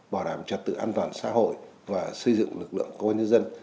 bảo đảm trật tự an toàn xã hội và xây dựng lực lượng công an nhân dân